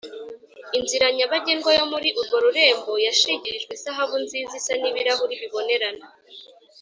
Inzira nyabagendwa yo muri urwo rurembo yashigirijwe izahabu nziza isa n’ibirahuri bibonerana.